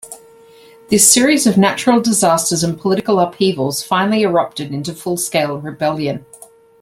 This series of natural disasters and political upheavals finally erupted into full-scale rebellion.